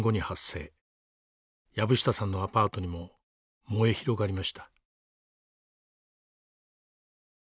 藪下さんのアパートにも燃え広がりました。